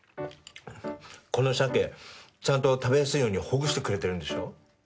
この鮭ちゃんと食べやすいようにほぐしてくれてるんでしょ？